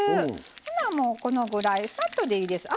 ほなもうこのぐらいサッとでいいです。